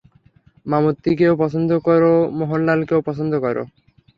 মামুত্তিকেও পছন্দ করো মোহনলালকেও পছন্দ করো।